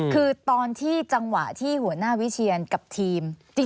คือตอนที่จังหวะที่หัวหน้าวิเชียนกับทีม